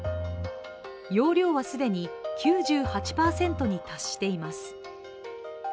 容量は既に９８％に達しています。